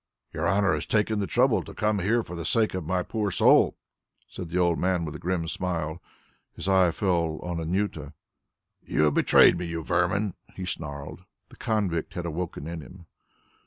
"Your honour has taken the trouble to come here for the sake of my poor soul," said the old man with a grim smile. His eye fell on Anjuta. "You have betrayed me, you vermin!" he snarled. The convict had awoken in him.